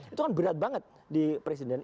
itu kan berat banget di presiden